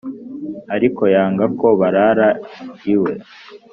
ariko yanga ko barara iwe.